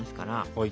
はい。